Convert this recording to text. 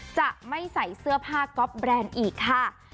จะไม่ใส่เสื้อผ้าก๊อปแบรนด์อีกค่ะ